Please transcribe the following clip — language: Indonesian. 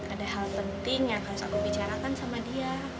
ada hal penting yang harus aku bicarakan sama dia